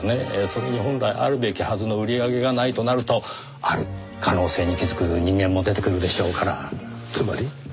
それに本来あるべきはずの売り上げがないとなるとある可能性に気づく人間も出てくるでしょうから。